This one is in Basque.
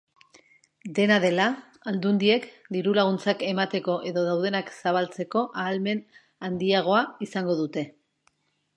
Dena dela, aldundiek dirulaguntzak emateko edo daudenak zabaltzeko ahalmen handiagoa izango dute.